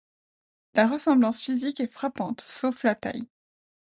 La ressemblance physique est frappante, sauf la taille.